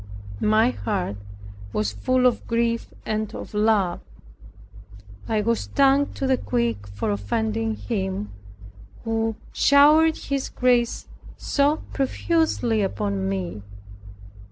My heart was full of grief and of love. I was stung to the quick for offending Him, who showered His grace so profusely upon me.